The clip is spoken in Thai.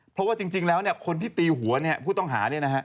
เพราะว่าจริงแล้วคนที่ตีหัวผู้ต้องหานี่นะครับ